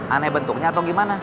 aneh bentuknya atau gimana